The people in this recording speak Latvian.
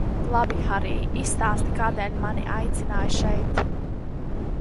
Labi, Harij, izstāsti kādēļ mani ataicināji šeit?